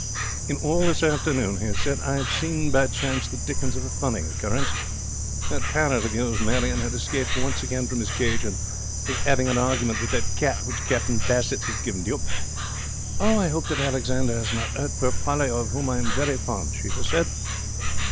'In the 'all this afternoon,' he has said, 'I have seen by chance the dickens of a funny occurrence. That parrot of yours, Marion, had escaped once again from its cage and was 'aving an argument with that cat which Captain Bassett has given to you.' 'Oh! I hope that Alexander 'as not hurt poor Polly, of whom I am very fond,' she has said.